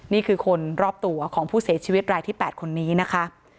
นี่คือคนรอบตัวของผู้เสียชีวิตรายที่๘คนนี้นะคะ